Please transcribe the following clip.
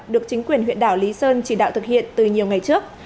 được chính quyền huyện đảo lý sơn chỉ đạo thực hiện từ nhiều ngày trước